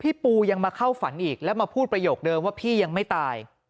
ปูยังมาเข้าฝันอีกแล้วมาพูดประโยคเดิมว่าพี่ยังไม่ตาย